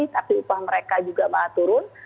tapi upah mereka juga malah turun